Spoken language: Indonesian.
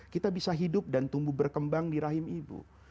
kita bisa hidup dan tumbuh berkembang di rahim ibu